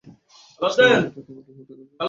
শরীর যদি দুর্বল না হতে থাকে তো কোন ভয়ের কারণ নাই।